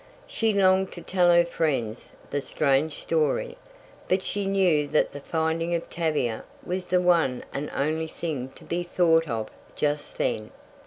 She longed to tell her friends the strange story, but she knew that the finding of Tavia was the one and only thing to be thought of just then.